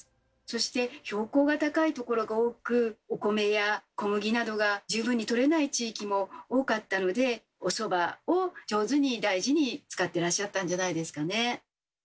そして標高が高いところが多くお米や小麦などが十分にとれない地域も多かったのでおそばを上手に大事に使ってらっしゃったんじゃないですかね。